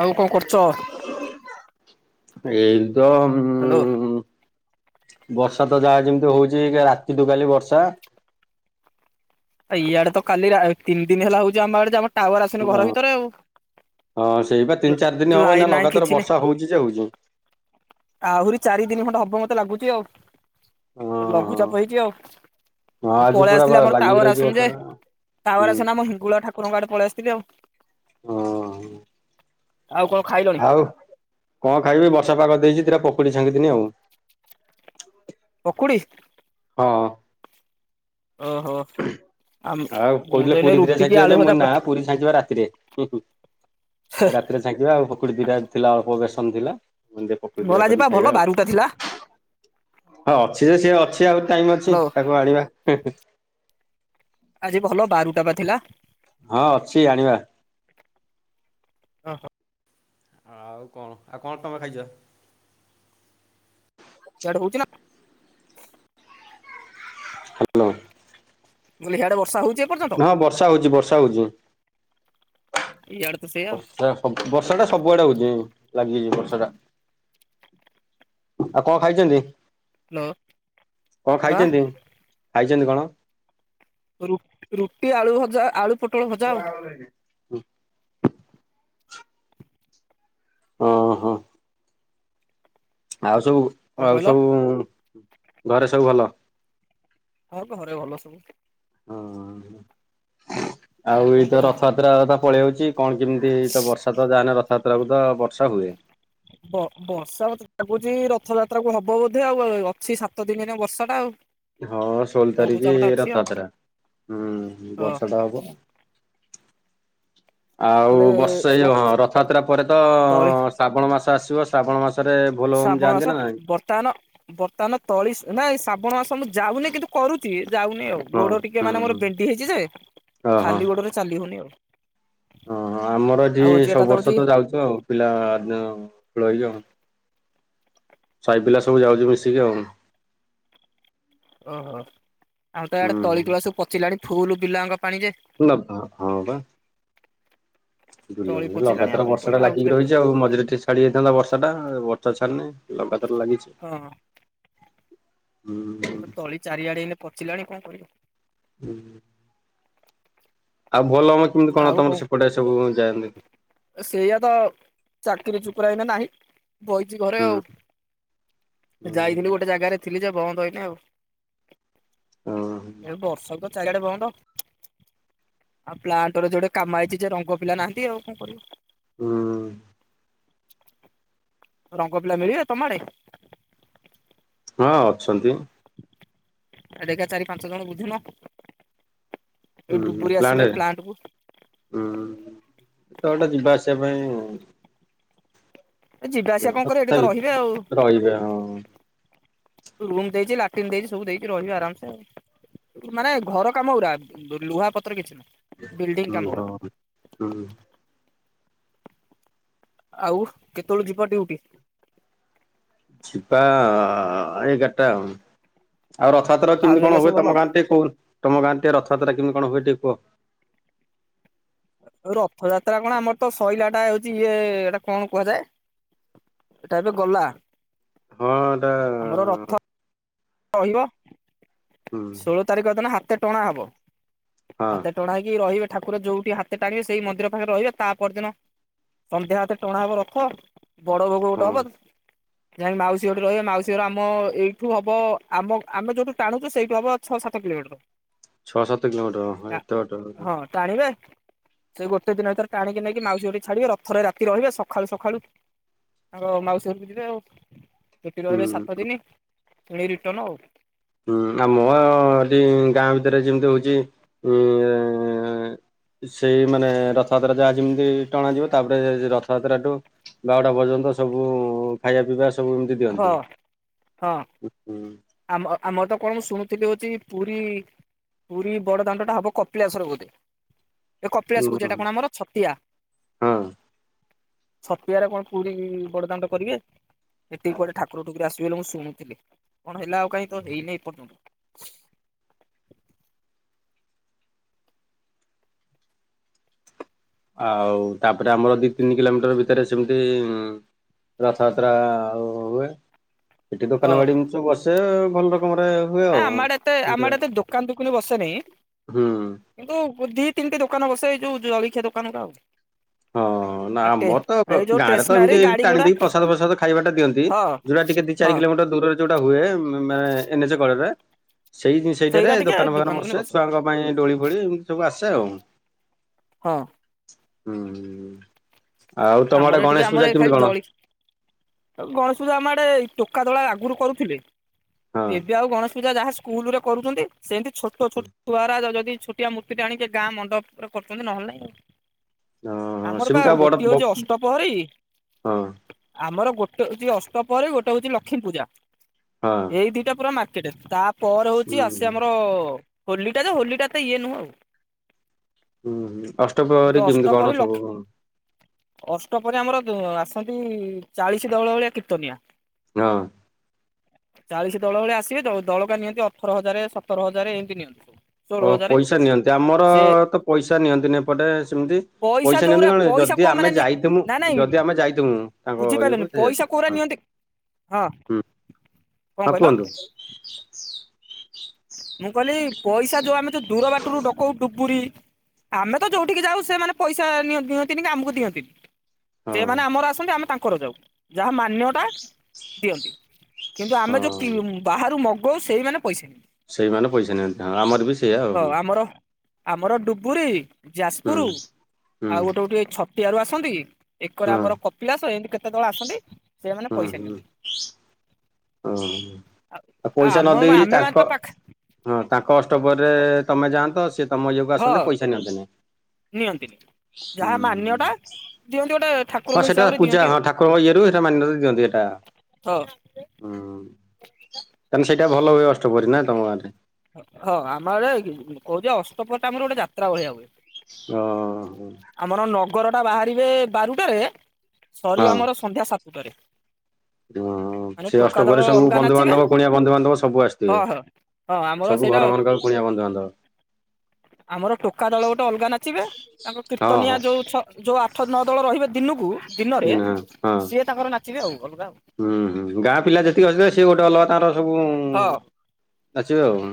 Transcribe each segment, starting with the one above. ଆଉ କଣ କରୁଚ? ଏଇନୁ ତ ହ୍ୟାଲୋ। ଉଁ ବର୍ଷା ତ ଯାହା ଯେମିତି ହଉଚି କାଲି ରାତିଠୁ କାଲି ବର୍ଷା। ଇଆଡେ ତ କାଲି ତିନି ଦିନ ହେଲା ହଉଚି ଆମ ଆଡେ ଯେ ଆମ ଟାୱାର ଆସୁନି ଘର ହଁ ଭିତରେ ଆଉ। ହଁ ସେଇ ପା ତିନି ଚାରି ଦିନ ହବ ଏଇନା ଲାଇନ ନାହିଁ ଲଗାତାର କିଛି ନାହିଁ ବର୍ଷା ହଉଚି ଯେ ହଉଚି। ଆହୁରି ଚାରି ଦିନି ଖଣ୍ଡେ ହବ ମତେ ଲାଗୁଛି ଆଉ। ହଁ ହଁ ଲଘୁଚାପ ହେଇଛି ଆଉ। ହଁ ମୁଁ ଆଜି ପଳେଇ ପୁରା ବା ଆସିଲି ଆମର ଲାଗିକି ଟାୱାର ରହିଛି ଆସୁନି ବର୍ଷା ଯେ। ଟା ଟାୱାର ହୁଁ ଆସୁନି ଆମ ହିଙ୍ଗୁଳା ଠାକୁରଙ୍କ ଆଡେ ପଳେଇ ଆସିଥିଲି ଆଉ। ଓ ହଁ। ଆଉ କଣ ଖାଇ ଆଉ କଣ ଖାଇବି? ବର୍ଷା ପାଗ ଦେଇଚି ଟିକେ ପକୁଡ଼ି ଛାଙ୍କି ଦେଲି ଆଉ। ପକୁଡି ହଁ। ଓହୋ। ଆ ମ ଆଉ ମୁଁ କହୁଥିଲେ ତ ଏଇନା ପୁରୀ ଦିଟା ରୁଟି କି ଛାଙ୍କିବା ଯେ ଆଳୁ ମୁଁ ଭଜା କହିନି ନା ପୁରୀ ଛାଙ୍କିବା କରିଚି। ହେ ସେଟା ଛାଙ୍କିଦେବା ଆଉ। ପକୁଡି ଦିଟା ଥିଲା ଅଳପ ବେସନ ଥିଲା। ମୁଁ କହିଲି ଦିଟା ପକୁଡ଼ି ଭଲ ଦିଇଟା ଆଜି ପା କରିିକି ଭଲ ଖାଇବା ଆଉ। ବାରୁଟା ଥିଲା ହଁ ଅଛି ଯେ ସିଏ ଅଛି। ଆଉ ଟାଇମ ଅଛି ହ୍ୟାଲୋ ତାକୁ ଆଣିବା। ଆଜି ଭଲ ବାରୁଟା ବା ଥିଲା! ହଁ ଅଛି ଆଣିବା। ଇଆଡେ ଆଉ କଣ? ଆଉ କଣ ତମେ ଖାଇଛ? ସିଆଡେ ହଉଛି ନା ହାଲୋ। ମୁଁ କହିଲି ସିଆଡେ ବର୍ଷା ହଉଛି ଏପର୍ଯ୍ୟନ୍ତ ହଁ ବର୍ଷା ହଉଛି ବର୍ଷା ହଉଛି। ଇଆଡେ ତ ସେଇଆ ଆଉ। [inaudible] ବର୍ଷା ଟା ସବୁଆଡେ ହଉଛି। ଲାଗିଛି ବର୍ଷା ଟା। ଆଉ କଣ ଖାଇଛନ୍ତି? କଣ ହ୍ୟାଲୋ ଖାଇଛନ୍ତି? ଖାଇଛନ୍ତି କଣ? ରୁ ରୁଟି ଆଳୁ ଭଜା ଆଳୁ ପୋ ହଉ ଆଉ ନାଇଁ। ଅ ହଁ ଆଉ ସବୁ କଣ ଆଉ କହିଲ ସବୁ ଘରେ ସବୁ ଭଲ? ହଁ ଘରେ ଭଲ ସବୁ। ହଁ ଆଉ କଣ ଏଇ ତ କୁହ? ରଥଯାତ ଯାତ୍ରା ତ ପଳେଇ ଆଉଛି। କଣ କେମିତି ତ ବର୍ଷା ତ ଯାହାନେ ରଥଯାତ୍ରା ବେଳକୁ ତ ବର୍ଷା ହୁଏ। ବ ବର୍ଷା ମତେ ଲାଗୁଛି ରଥଯାତ୍ରା କୁ ହବ ବୋଧେ ଆଉ। ଆ ଅଛି ସାତ ଦିନରେ ବର୍ଷା ଟା ଆଉ। ହଁ ଷୋଳ ତାରିଖ ଲଘୁଚାପ ଟା ଅଛି ଆଉ ରଥଯାତ୍ରା ହୁଁ ହଁ ବର୍ଷା ଟା ହବ। ଆଉ ହେଲେ ବର୍ଷେଇ ଆଉ, ହଁ ରଥଯାତ୍ରା ପରେ ତ ତଳି ଶ୍ରାବଣ ମାସ ଆସିବ। ଶ୍ରାବଣ ମାସ ରେ ବୋଲବମ୍ ଯାଆନ୍ତି ନା ନାଇଁ? ତାନ ବର୍ତ୍ତମାନ ତଳି ନାଇ ଶ୍ରାବଣ ମାସ ମୁଁ ଯାଉନି, କିନ୍ତୁ କରୁଛି ଯାଉନି ଆଉ। ହଁ ଗୋଡ ଟିକେ ହୁଁ ମାନେ ମୋର ହୁଁ ବିଣ୍ଡି ହେଇଛି ଯେ, ଖାଲି ଗୋଡରେ ଚାଲି ହଉନି ଆଉ। ଓହୋ! ଆମର ଏଠି ଆଉ ହଉଛି ଏଟା ସବୁ ହଉଛି ବର୍ଷ ତ ଯାଉଛୁ ଆଉ। ପିଲା ଏ ଠୁଳ ହେଇକି ଆଉ। ସାଇ ପିଲା ସବୁ ଯାଉଚୁ ମିଶିକି ଆଉ। ଓହୋ! ଆମର ତ ଆଡେ ତଳିିତଳା ହୁଁ ସବୁ ପଚିଲାଣି ଫୁଲ୍ ବିଲାଯାଙ୍କ ପାଣି ଯେ ଫୁଲ ଫ ହଁ ହଁ ବା। ବୁଲ ତଳି ପଚିଲାଣି ଆଉ ଲଗାତାର କଣ ବର୍ଷା ଟା କରିବା ଲାଗିକି ଆଉଥରେ ରହିଛି ଆଉ ମଝିରେ ଟିକେ ଛାଡି ଯାଇଥାନ୍ତା ବର୍ଷା ଟା ବର୍ଷା ଛାଡ଼ିନି ଲଗାତାର ଲାଗିଛି। ହଁ। ହୁଁ। ଏବେ ତ ତଳି ଚାରିଆଡେ ଏଇନେ ପଚିଲାଣି କଣ କରିବ? ହୁଁ। ଆଉ ବୋଲବମ୍ କେମିତି କଣ ତମର ସେପଟେ ସବୁ ଯାଆନ୍ତି? ସେଇଆ ତ ଚାକିରି ଚୁକୁରା ଏଇନେ ନାହିଁ। ବଇଚି ଘରେ ହୁଁ ଆଉ। ହୁଁ ଯାଇଥିଲି ଗୋଟେ ଜାଗାରେ ଥିଲି ଯେ? ବନ୍ଦ ଏଇନେ ଆଉ। ହୁଁ ବର୍ଷା କ ଚାରିଆଡେ ବନ୍ଦ। ଆଉ ପ୍ଲାଣ୍ଟରେ ଯୋଡେ କାମ ଆଇଛି ଯେ ରଙ୍ଗ ପିଲା ନାହଁ ନ୍ତି ଆଉ କଣ କରିବ? ହୁଁ। ରଙ୍ଗ ପିଲା ମିଳିବ ତମ ଆଡେ? ହଁ ଅଛନ୍ତି। ଆ ଦେଖିଆ ଚାରି ପାଞ୍ଚ ଜଣ ବୁଝୁନ? ଏ ଡୁବୁରି ଆସିବେ ପ୍ଲାଣ୍ଟ କୁ? ଉମ୍ ଏତେ ବାଟ ଯିବା ଆସିବା ପାଇଁ ଏ ଯିବା ଆସିବା କଣ କରିବେ? ଏଇଠି ତ ତଥାପି ରହିବେ ଆଉ। ରହିବେ ହଁ ରୁମ୍ ଦେଇଛି, ଲାଟିନ ଦେଇଛି, ସବୁ ଦେଇଛି। ରହିବେ ଆରାମସେ ଆଉ। ମାନେ ଘର କାମ ଗୁରା। ଲୁହା ପତ୍ର କିଛି ନୁହଁ। ଲୁହା ହୁଁ। ଆଉ କେତେବେଳୁ ଯିବ ଡିଉଟି? ସିପା ଆ ଏଗାରଟା ଆ ଆଉ ରଥ ରଥଯାତ୍ରା ଭାଉଜ କେମିତି ହେରିକା କଣ ସବୁ ହୁଏ ଭଲ ତମ ଗାଁ ରେ ଟିକେ କହୁନ ତମ ଗାଁରେ ଟିକେ ରଥଯାତ୍ରା କେମତି କଣ ହୁଏ ଟିକେ କୁହ? ଆଉ ରଥଯାତ୍ରା କଣ ଆମର ତ ଶଇଲା ଟା ହଉଛି ଇଏ ଏଇଟା କଣ କୁହାଯାଏ? ଏଟା ଏବେ ଗଲା ହଁ ଏଟା ଆମର ରଥ ରହିବ ହୁଁ ଷୋଳ ତାରିଖ ଦିନ ହାତେ ଟଣା ହେବ। ହଁ ହାତ ଟଣା ହେଇକି ରହିବେ ଠାକୁର ଯୋଉଠି ହାତେ ଟାଣିବେ ସେଇ ମନ୍ଦିର ପାଖରେ ରହିବେ ତା ପରଦିନ ସନ୍ଧ୍ୟା ହାତେ ଟଣାହବ ରଥ। ବଡ ଭୋଗ ଗୋଟେ ହଁ ହବ ଯାଇକି ମାଉସୀ ଘଟେ ରହିବେ ମାଉସୀର ଆମ ଏଇଠୁ ହବ ଆମ ଆମେ ଯୋଉଠୁ ଟାଣୁଛୁ ସେଇଠୁ ହବ ଛଅ ସାତ କିଲୋମିଟର। ଛଅ ସାତ କିଲୋମିଟର ହଁ ଏତେ ବାଟ ତଥାପି। ହଁ ଟାଣିବେ। ସେ ଗୋଟେ ଦିନ ଭିତରେ ଟାଣିକି ନେଇକି ମାଉସୀ ଘରଠି ଛାଡିବେ ରଥରେ ରାତି ରହିବେ ସଖାଳୁ ସଖାଳୁ ତାଙ୍କ ମାଉସୀ ଘରକୁ ଯିବେ ଆଉ ସେଠି ହୁଁ ରହିବେ ସାତ ଦିନି ପୁଣି ରିଟର୍ଣ୍ଣ ଆଉ। ହୁଁ ଆମ ଏଠି ଗାଁ ଭିତରେ ଯେମିତି ହଉଛି ଉଁ ସେଇ ମାନେ ରଥଯାତ୍ରା ଯାହା ଯେମିତି ଟଣାଯିବ ତାପରେ ରଥଯାତ୍ରାଠୁ ବାଉଡା ପର୍ଯ୍ୟନ୍ତ ସବୁ ଖାଇବା ପିଇବା ସବୁ ଏମତି ହଁ ଜଲଦି ହଁ ହୁଁ ହୁଁ। ଆମ ଆମର ତ କଣ ଶୁଣୁଥିଲି ହଉଛି ପୁରୀ ପୁରୀ ବଡ ଦାଣ୍ଡ ଟା ହବ କପିଳାସ ର ବୋଧେ ଏ କପିଳାସ କହୁଚି ଏଟା କଣ ଆମର? ଛତିଆ ହଁ ଛତିଆରେ କଣ କୁଉଡି ବଡ ଦାଣ୍ଡ କରିବେ। ଏଠି କୁଆଡେ ଠାକୁର ଠୁକୁରୀ ଆସିବେ ବୋଲି ମୁଁ ଶୁଣୁଥିଲି କଣ ହେଲା ଆଉ କାଁଇ ତ ହେଇନି ଏ ପର୍ଯ୍ୟନ୍ତ। ଆଉ ତାପରେ ଆମର ଦି ତିନି କିଲୋମିଟର ଭିତରେ ସେମିତି ଉଁ ରଥଯାତ୍ରା ଆଉ ହୁଏ ସେଠି ହଁ ଦୋକାନ ବାଡ଼ି ଏମିତି ସବୁ ବସେ ଏଁ ଭଲ ରକମରେ ହୁଏ ନା ଆଉ। ଆମ ଆଡେ ଏତେ ଆମ ଆଡେ ଏତେ ଦୋକାନ ଦୁକେନି ବସେନେଇ। ହୁଁ କିନ୍ତୁ ଦି ତିନିଟି ଦୋକାନ ବସେ ଏଇ ଯୋଉ ଜଳଖିଆ ଦୋକାନ ଗୁଡା ଆଉ। ହଁ ନା ଆଉ ଟେ ଆମର ତ ଏଇ ଯୋଉ ଗାଁରେ ତ ଷ୍ଟେସନାରୀ ଏମିତି ଗାଡି ଟାଣି ଗୁଡା ଦେଇକି ପ୍ରସାଦ ଫ୍ରସାଦ ଖାଇବାଟା ଦିଅନ୍ତି। ହଁ ଯୋଉଟା ଟିକେ ଦି ଚାରି ହଁ କିଲୋମିଟର ଦୂରରେ ଯୋଉଟା ହୁଏ ମାନେ ଏନ୍ ଏଚ କଡରେ। ସେଇ ସେଇଟା ସେଇଟାରେ ଟିକେ ଦୋକାନ ଫୋକାନ ଦୋକାନୀ ବସେ ଛୁଆଙ୍କ ପାଇଁ ଦୋଳି ଫୋଳି ଏମିତି ସବୁ ଆସେ ଆଉ। ହଁ। ହୁଁ ଆଉ ତମ ଆମର ଆଡେ ଏ ଗଣେଶ ପୂଜା କେମିତି କଣ? ଆଉ ଗଣେଶ ପୂଜା ଆମ ଆଡେ ଏ ଟୋକା ଦଳ ଆଗରୁ କରୁଥିଲେ। ହଁ ଏବେ ଆଉ ଗଣେଶ ପୂଜା ଯାହା ସ୍କୁଲ ରେ କରୁଛନ୍ତି ସେମିତି ଛୋଟ ଛୋଟ ଛୁଆର ଯଦି ଛୋଟ ଛୋଟିଆ ମୂର୍ତ୍ତିଟେ ଆଣିକି ଗାଁ ମଣ୍ଡପରେ କରୁଛନ୍ତି ନହେଲେ ନାଇଁ ହଁ ଆମର ବା ସେମିତି ଆଉ ବଡ ଗୋଟିଏ ହଉଛି ହଁ ଅଷ୍ଟପହରୀ ଆମର ଗୋଟେ ହଉଛି ଅଷ୍ଟପହରୀ ଗୋଟେ ହଉଛି ଲକ୍ଷ୍ମୀ ପୂଜା। ହଁ। ଏଇ ଦିଟା ପୁରା ମାର୍କେଟ ତାପରେ ହଉଛି ଆସ ହୁଁ। ଆମର ହୋଲିଟା ହୋଲିଟା ତ ଇଏ ନୁହଁ ଆଉ। ହୁଁ ହୁଁ ଅଷ୍ଟପହରୀ କେମିତି କଣ ସବୁ। ଅଷ୍ଟ ପ୍ରହରୀ ଆମର ଆସନ୍ତି ଚାଳିଶ ଦଳ ଭଳିଆ କୀର୍ତ୍ତନିଆ। ହଁ। ଚାଳିଶ ଦଳ ଭଳିଆ ଆସିବେ ଦଳକା ନିଅନ୍ତି ଅଠର ହଜାର ସତର ହଜାର ଏମିତି ନିଅନ୍ତି। ଷୋହଳ ଓ ହଜାର ପଇସା ନିଅନ୍ତି ଆମର ସେ ତ ପଇସା ନିଅନ୍ତିନି ଏପଟେ ସେମିତି। ପଇସା ଯୋଉରା ନିଅନ୍ତି କଣ ପଇସା ଯଦି କୋଉ ମାନେ ଆମେ ଯାଇଥି ମୁଁ। ନା ନାଇଁ ଯଦି ଆମେ ଯାଇଥିବୁ ତାଙ୍କ ବୁଝିପାରିଲନି ଇଏକୁ ପଇସା ଆସ କୋଉରା ହଁ ନିଅନ୍ତି ହଁ ହୁଁ। କଣ କହିଲ। [unintelligible] ମୁଁ କହିଲି ପଇସା ଯୋଉ ଆମେ ଦୂର ବାଟରୁ ଡକଉ ଡୁବୁରି। ଆମେ ତ ଯୋଉଠିକି ଯାଉ ସେମାନେ ପଇସା ନିଅ-ନିଅନ୍ତିନି କି ଆମକୁ ଦିଅନ୍ତିନି। ହଁ ସେମାନେ ଆମର ଆସନ୍ତି ଆମେ ତାଙ୍କର ଯାଉ ଯାହା ମାନ୍ୟଟା ଦିଅନ୍ତି। କିନ୍ତୁ ଆମେ ଯୋଉ କି ହଁ। ବାହାରୁ ମଗୌ ସେଇମାନେ ପଇସା ନିଅନ୍ତି। ସେଇମାନେ ପଇସା ନିଅନ୍ତି। ହଁ ଆମର ବି ସେଇଆ ଆଉ। ହଁ ଆମର ଆମର ଡୁବୁରି ହୁଁ ଯାଜପୁର ହୁଁ ଆଉ ଗୋଟେ ଗୋଟେ ଛ ତିଆରୁ ଆସନ୍ତି ଏକରେ ହଁ ଆମର କପ ପିଳାସ ଏମତି କେତେ ଦଳ ଆସନ୍ତି ସେମାନେ ପଇସା ନିଅନ୍ତି। ଓ ଆଉ ଆଉ ପଇସା ନ ଆମ ଦେଇକି ଆମେ ମାନେ ତ ତାଙ୍କ ପାଖ ହଁ ତାଙ୍କ ଅଷ୍ଟ ପ୍ରହରୀରେ ତମେ ଯାଆନ୍ତ। ସିଏ ତମ ଇଏକୁ ହଁ ଆସନ୍ତେ ପଇସା ନିଅନ୍ତେ ନାହିଁ। ନିଅନ୍ତିନି ଯାହା ମାନ୍ୟଟା ଦିଅନ୍ତି ଗୋଟେ ହଁ ଠାକୁରଙ୍କ ସେଟା ହିସାବରେ ପୂଜା ଦିଅନ୍ତି ଆଉ ହଁ ଠାକୁରଙ୍କ ଇଏରୁ ସେଟା ମାନ୍ୟତା ଦିଅନ୍ତି ଏଟା ହଁ। ହୁଁ ତାହାନେ ସେଇଟା ଭଲ ହୁଏ ଅଷ୍ଟପ୍ରହରୀ ନା ତମ ଗାଁରେ? ହଁ ଆମ ଆଡେ କହୁଚି ପା ଅଷ୍ଟପ୍ରହରିଟା ଆମର ଗୋଟେ ଯାତ୍ରା ଭଳିଆ ହୁଏ। ହଁ। ଆମର ନଗର ଟା ବାହାରିବେ ବାରୁଟାରେ ସରିବ ଆମର ସନ୍ଧ୍ୟା ସାତୁଟାରେ। ହୁଁ ସେ ଅଷ୍ଟ ପ୍ରହରିରେ ସବୁ ଅଲଗା ନାଚିବେ ବନ୍ଧୁବାନ୍ଧବ କୁଣିଆ ବନ୍ଧୁବାନ୍ଧବ ସବୁ ଆସ ହଁ ଥିବେ। ହଁ ହଁ ଆମର ସବୁ ସେଇଟା ଘର ମାନଙ୍କରେ କୁଣିଆ ବନ୍ଧୁ ବାନ୍ଧବ। ଆମର ଟୋକା ଦଳ ଗୋଟେ ଅଲଗା ନାଚିବେ ତାଙ୍କ ହଁ କୀର୍ତ୍ତନିଆ ହଁ ଯୋଉ ଛ ଯୋଉ ଆଠ ନଅ ଦଳ ରହିବେ ଦିନକୁ ଦିନରେ ଦିନ ହଁ। ସିଏ ତାଙ୍କର ନାଚିବେ ଆଉ ଅଲଗା ଆଉ। ହୁଁ ହୁଁ ଗାଁ ପିଲା ଯେତିକି ଅଛେ ସିଏ ଗୋଟେ ଅଲଗା ତାଙ୍କର ସବୁ ହଁ। ନାଚିବେ ଆଉ।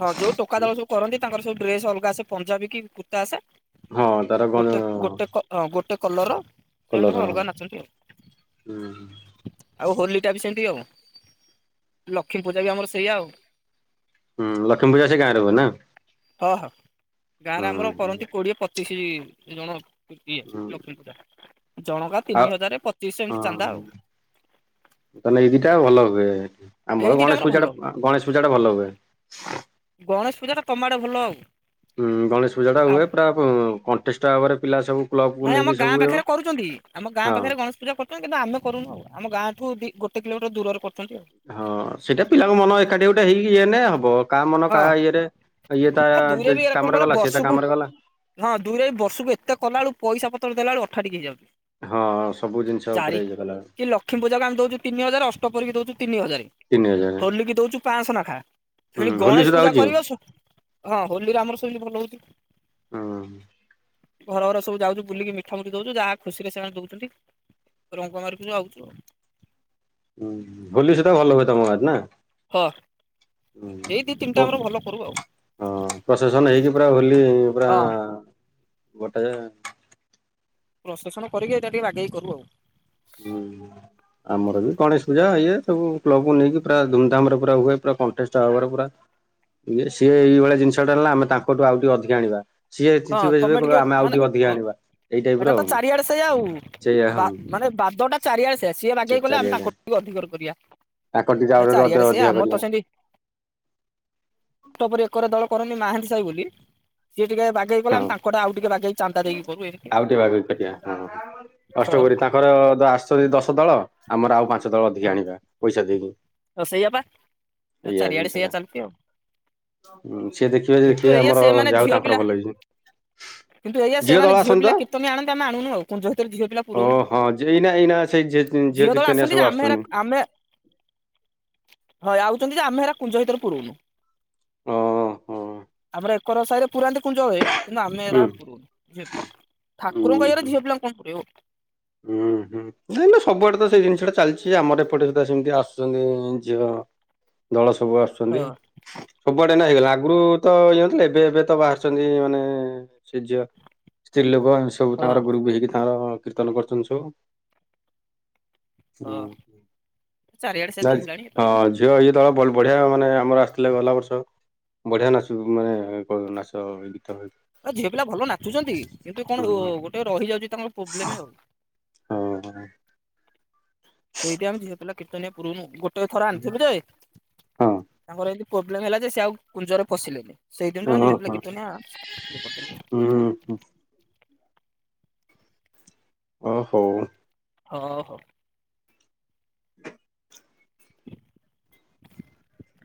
ହଁ ଯୋଉ ଟୋକା ଦଳ ସବୁ କରନ୍ତି ତାଙ୍କର ସବୁ ଡ୍ରେସ ଅଲଗା ଆସେ ପଞ୍ଜାବୀ କି କୁର୍ତ୍ତା ଆସେ ହଁ ତାର କଣ ଗୋଟେ ଗୋଟେ କ ଅ ଗୋଟେ କଲରର ସେମାନେ କଲର ତାଙ୍କ ଅଲଗା ନାଚନ୍ତି ଆଉ। ହୁଁ। ଆଉ ହୋଲିଟା ବି ସେମିତି ଆଉ ଲକ୍ଷ୍ମୀ ପୂଜା ବି ଆମର ସେଇଆ ଆଉ। ହୁ ଲକ୍ଷ୍ମୀ ପୂଜା ସେ ଗାଁରେ ହୁଏ ନା? ହଁ ହଁ ଗାଁରେ ଆମର ହୁଁ କରନ୍ତି କୋଡିଏ ପଚିଶି ଜଣ। ଇଏ ହୁଁ ଲକ୍ଷ୍ମୀ ପୂଜା ଜଣକା ତିନି ହଜାର ପଚିଶହ ଏମିତି ଚାନ୍ଦା ଆଉ। ତାହାଲେ ଏଇ ଦିତାଟା ଭଲ ହୁଏ। ଏଇ ଆମର ଦିଟା ଗଣେଶ ଭଲ। ପୂଜାଟା ଗଣେଶ ପୂଜା ଟା ଭଲ ହୁଏ। ଗଣେଶ ପୂଜା ଟା ତମ ଆଡେ ଭଲ ଆଉ। ହୁଁ ଗଣେଶ ପୂଜା ଟା ଆ ହୁଏ ପୁରା କଣ୍ଟେଷ୍ଟ ଭାବରେ ପିଲା ସବୁ କ୍ଲବକୁ ନାଇଁ ଆମ ନେଇକି ସବୁ ଗାଁ ହଁ ପାଖରେ କରୁଛନ୍ତି ଆମ ଗାଁ ପାଖରେ ଗଣେ ପୂଜା କରୁଛନ୍ତି କିନ୍ତୁ ଆମେ କରୁନୁ ଆଉ। ଆମ ଗାଁଠୁ ଦି ଗୋଟେ କିଲୋମିଟର ଦୂରରେ କରୁଛନ୍ତି ଆଉ ହଁ ସେଇଟା ପିଲାଙ୍କ ମନ ଏକାଠି ଗୋଟେ ହେଇକି ଇଏନେ ହବ। କା ମନ କାହା ହଁ ଇଏରେ ଇଏ ତା ଆ ଦୁଇରେ ବି ଏରା କଣ କାମରେ କହିଲ ଗଲା ସିଏ ତା ବର୍ଷକୁ କାମ ରେ ଗଲା ହଁ ଦୁଇରେ ବର୍ଷକୁ ଏତେ କଲା ବେଳକୁ ପଇସା ପତ୍ର ଦେଲାବେଳକୁ ଅଠାଠିକି ହେଇଯାଉଛି ହଁ ସବୁ ଜିନିଷ ଚାରି ଉପରେ ଇଏ କଲା କି ଲକ୍ଷ୍ମୀ ପୂଜାକୁ ଆମେ ଦଉଛୁ ତିନି ହଜାର ଅଷ୍ଟପ ପହରୀକୁ ଦଉଛୁ ତିନି ହଜାର ତିନି ହଜାର ହୋଲିକି ଦୋଉଛୁ ପାଞ୍ଚଶହ ନାଖା। ହୁଁ ହେଣି ହୋଲି ଗଣେଶ ସୁଧା ପୂଜା ହଉଛି ହୁଁ କରିବ ସ ହଁ ହୋଲିରେ ଆମର ସେମିତି ଭଲ ହଉଛି। ଘର ଘର ସବୁ ଯାଉଛୁ ବୁଲିକି ମିଠାମୁଠି ଦଉଛୁ ଯାହା ଖୁସିରେ ସେମାନେ ଦଉଛନ୍ତି। ରଙ୍ଗ ମାରିିକିରି ଆଉଚୁ ଆଉ। ହୁଁ ହୋଲି ସେଟା ଭଲ ହୁଏ ତମ ଗାଁ ରେ ନା? ହଁ ଏଇ ଦି ତିନିଟା ଆମର ଭଲ କରୁ ଆଉ। ହଁ ପ୍ରସେସନ ହେଇକି ପୁରା ହୋଲି ପୁରା ହଁ ଗୋଟେ ପ୍ରସେସନ କରିକି ଏଇଟା ଟିକେ ବାଗେଇକି କରୁ ଆଉ। ହୁଁ। ଆମର ବି ଗଣେଶ ପୂଜା ଇଏ ସବୁ କ୍ଲବକୁ ନେଇକି ପୁରା ଧୁମଧାମ ରେ ପୁରା ହୁଏ ପୁରା କଣ୍ଟେଷ୍ଟ ଭାବରେ ପୁରା ଇଏ ସିଏ ଏଇ ଭଳିଆ ଜିନିସଟା ଆଣିଲା ଆମେ ତାଙ୍କଠୁ ଆଉ ଟିକେ ଅଧିକ ଆଣିବା। ସିଏ ହଁ ଥିବେ ଥିବେ ତମେ କହିବେ ଆମେ ଆଉ ମାନେ ଟିକେ ଅଧିକା ଅ ଆଣିବା ଏଇ ଟାଇପ ଏଟା ର ତ ଆଉ। ଚାରିଆଡେ ସେଇଆ ଆଉ। ସେଇଆ ବା ହଁ। ମାନେ ବାଦଟା ଚାରିଆଡେସେଆ ସିଏ ସେ ବାଗେଇ କଲେ ଆମେ ଚାରିଆଡେ ତାଙ୍କୁ ଟିକେ ଅଧିକର କରିବା। ତାଙ୍କର ଟିକେ ନା ଆହୁରି ଅଧ ଚାରିଆଡେ ସେ ଅଧିକା ଆମର କରିବା ତ ସେମତି ଅକ୍ଟୋବରେ ଏକରେ ଦଳ କରନ୍ତିି ମହାନ୍ତି ସାହି ବୋଲି ସିଏ ଟିକେ ବାକି ଗ ଗଲା ହଁ ତାଙ୍କଟ ଆଉ ଟିକେ ବାଗେଇ ଚାନ୍ଦା ଦେଇକି କରୁ ଏମିତି ଆଉ ଟିକେ ବାଗେଇ କରିବା ହଁ। ଅଷ୍ଟପରି ତାଙ୍କର ଆସୁଛନ୍ତି ଦଶ ଦଳ। ଆମର ଆଉ ପାଞ୍ଚ ଦଳ ଅଧିକ ଆଣିବା ପଇସା ଦେଇକି। ଆ ଏଇଆ ଚାରିଆଡେ ସେଇଆ ଜିନିଷଟା ଚାଲୁଚି ଆଉ। ହୁଁ ସିଏ ଦେଖିବେ ଯେ କିନ୍ତୁ ଦେଖିବେ ଏଇଆ ସେ ଆମର ମାନେ ଯାଉ ଝିଅ ପିଲା ତାଙ୍କର ଭଲ ହେଇଛି। କିନ୍ତୁ ଏଇଆ ସେମାନେ ଦଳ ଝିଅ ଆସନ୍ତି ତ? ପିଲା କ୍ରିତନିଆ ଆଣନ୍ତି ଆମେ ଆଣୁନୁ ଆଉ କୁଞ୍ଜ ଭିତରେ ଝିଅ ପିଲା ଓ ପୁରଉନୁ ଆଉ। ହଁ ଏଇନା ଏଇନା ସେଇ ଝିଅ ଦଳେ କୀର୍ତ୍ତନିଆ ଆସନ୍ତି ଯେ ସବୁ ଆମେ ହେରା ଆସୁଛନ୍ତି। ଆମେ ହ ଆଉଛନ୍ତି ଯେ, ଆମେ ହେରା କୁଞ୍ଜ ଭିତରେ ପୁରୁଉନୁ। ଓ ହୋ। ଆମର ଏକର ସାହି ରେ ପୁରାନ୍ତି କୁଞ୍ଜ ହୁଏ, କିନ୍ତୁ ଆମେ ଏରା ହୁଁ ପୁର ଉନୁ ଝିଅପିଲାଙ୍କୁ ଠାରଙ୍କଇଏରେଝିଅ ପିଲାଙ୍କୁ। [unintelligible] ଉଁ ହୁଁ। ନାଇଁ ନା ସବୁଆଡେ ତ ସେଇ ଜିନିଷ ଟା ଚାଲିଛି ଆମର ଏପଟେ ସୁଧା ସେମିତି ଆସୁଛନ୍ତି ଝିଅ। ଦଳ ସବୁ ହଁ ଆସୁଛନ୍ତି। ସବୁଆଡେ ନା ହେଇଗଲା ଆଗରୁ ତ ଇଏଥିଲା ଏବେ ଏବେ ତ ବାହାରିଛନ୍ତି ମାନେ ସେ ଝିଅ। ସ୍ତ୍ରୀ ଲୋକ ଆମେ ସବୁ ହଁ ତାଙ୍କର ଗ୍ରୁପ୍ ହେଇକି ତାଙ୍କର କୀର୍ତ୍ତନ କରୁଥିଲି ସୁ। ହୁଁ ହଁ ଚାରିଆଡେ ସେ ତ ଚାଳିଶ ହେଲାଣି ଏପାଳି ଆଉ। ହଁ ଝିଅ ଇଏ ଦଳ ଭଲ ବଢିଆ ମାନେ ଆମର ଆସିଥିଲେ ଗଲା ବର୍ଷ। ବଢିଆ ନାଚୁ ମାନେ ନାଚ ଗୀତ ହୋଉ ଏ ଝିଅ ପିଲା ଭଲ ନାଚୁଛନ୍ତି କିନ୍ତୁ କଣ ଗୋଟେ ରହିଯାଉଛି ତାଙ୍କର ପ୍ରୋବ୍ଲେମ ଆଉ। ହଁ। ସେଇଠି ଆମେ ଝିଅ ପିଲା କୀର୍ତ୍ତନିଆ ପୂରଉନୁ ଗୋଟେ ଥର ଆଣିଥିଲୁ ଯେ ହଁ ତାଙ୍କର ଏମିତି ପ୍ରୋବ୍ଲେମ ହେଲା ଯେ ସେ ଆଉ କୁଞ୍ଜରେ ପସିଲେନି ସେଇଦିନ ଠୁ ହଁ ଆମେ ଝିଅ ପିଲା କୀର୍ତ୍ତନିଆ ଆ। [inaudible] ହୁଁ ହୁଁ ହୁଁ। ଓ ହୋଉ ହଁ ହଉ। [inaudible]